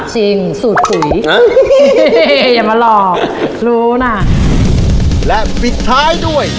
จริงสูตรกุ่๋ยอย่ามาลอรู้น่ะและปุ้กท้ายด้วย